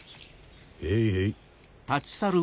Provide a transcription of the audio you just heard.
へいへい。